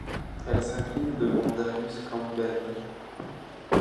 Elle s'incline devant Darius Campbell.